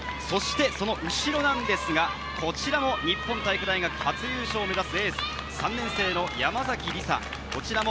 その後ろなんですが、こちらも日本体育大学、初優勝を目指すエース、３年生の山崎りさ。